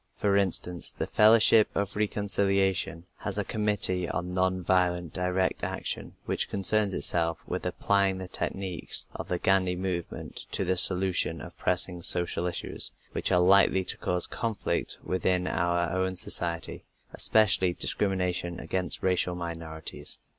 For instance, the Fellowship of Reconciliation has a committee on non violent direct action which concerns itself with applying the techniques of the Gandhi movement to the solution of pressing social issues which are likely to cause conflict within our own society, especially discrimination against racial minorities.